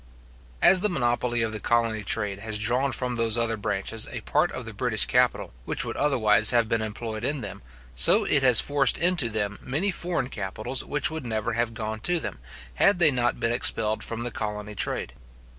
As the monopoly of the colony trade has drawn from those other branches a part of the British capital, which would otherwise have been employed in them, so it has forced into them many foreign capitals which would never have gone to them, had they not been expelled from the colony trade.